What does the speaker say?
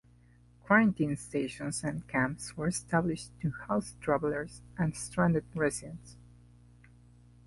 Quarantine stations and camps were established to house travelers and stranded residents.